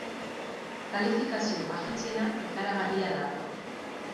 Kalifikazio agentziena ikaragarria da.